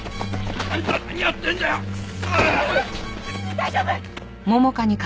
大丈夫！？